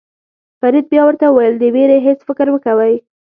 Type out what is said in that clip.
فرید بیا ورته وویل د وېرې هېڅ فکر مه کوئ.